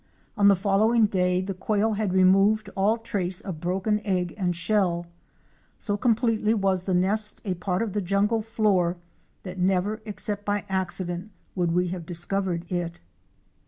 On the following day the Quail had removed all trace of broken egg and shell. So com pletely was the nest a part of the jungle floor that never except by accident would we have discovered it.